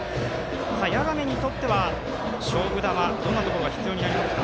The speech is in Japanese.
谷亀にとっては勝負球、どんなことが必要になりますか。